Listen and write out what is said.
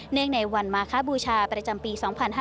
ในวันมาคบูชาประจำปี๒๕๕๙